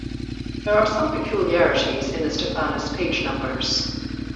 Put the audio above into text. There are some peculiarities in the Stephanus page numbers.